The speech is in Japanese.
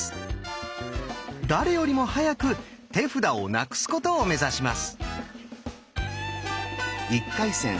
誰よりも早く手札をなくすことを目指します。